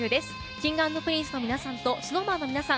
Ｋｉｎｇ＆Ｐｒｉｎｃｅの皆さんとＳｎｏｗＭａｎの皆さん